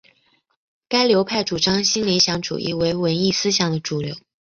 该流派主张新理想主义为文艺思想的主流。